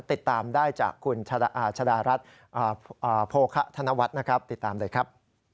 ติดตามได้จากคุณชดารัฐโภคะธนวัตต์ติดตามได้ครับ